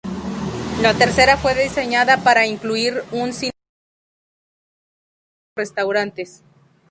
La tercera fue diseñada para incluir un cinema, una bolera y varios restaurantes.